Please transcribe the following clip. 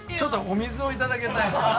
お水をいただきたい。